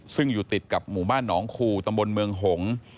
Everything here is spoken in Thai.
ซึ่งอยู่ติดกับหมู่บ้านหนองคูตำบลเมืองหงษ์